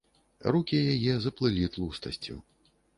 Рукі яе заплылі тлустасцю.